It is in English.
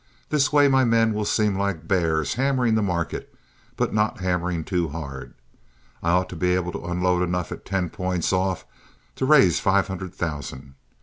This way my men will seem like bears hammering the market, but not hammering too hard. I ought to be able to unload enough at ten points off to raise five hundred thousand.